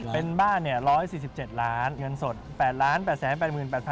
เป็นบ้าน๑๔๗ล้านเงินสด๘๘๘๐๐บาท